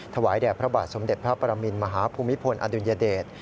ถวายแด่พระบาทสมเด็จพระปรมินมหาภูมิพลอดุลยเดช